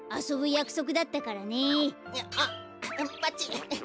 あっばっちい。